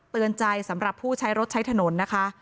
เตือนใจสำหรับผู้ใช้รถใช้ถนนนะคะ